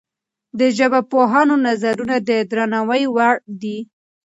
د ژبپوهانو نظرونه د درناوي وړ دي.